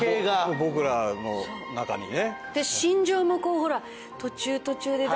僕らの中にね。